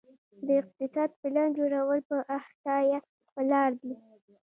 د اقتصاد پلان جوړول په احصایه ولاړ دي؟